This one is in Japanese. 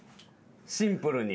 シンプルに。